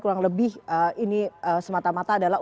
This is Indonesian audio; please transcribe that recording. kurang lebih ini semata mata adalah